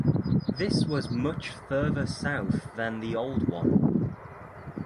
This was much further south than the old one.